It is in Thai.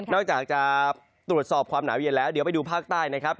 อกจากจะตรวจสอบความหนาวเย็นแล้วเดี๋ยวไปดูภาคใต้นะครับ